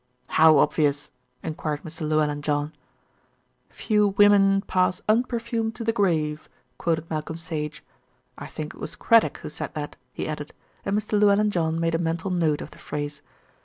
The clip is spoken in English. "How obvious?" enquired Mr. Llewellyn John. "'Few women pass unperfumed to the grave,'" quoted Malcolm Sage. "I think it was Craddock who said that," he added, and Mr. Llewellyn John made a mental note of the phrase.